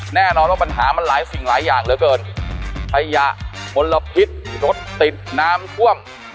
แน่นอนว่าปัญหามันหลายสิ่งหลายอย่างเหลือเกินขยะมลพิษรถติดน้ำท่วม